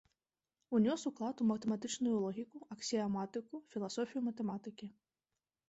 Унёс уклад у матэматычную логіку, аксіяматыку, філасофію матэматыкі.